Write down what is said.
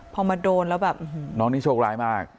พอมาโดนแล้วแบบน้องนี่โชคร้ายมาก